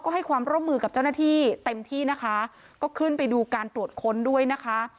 ให้ความร่วมมือกับเจ้าหน้าที่เต็มที่นะคะก็ขึ้นไปดูการตรวจค้นด้วยนะคะ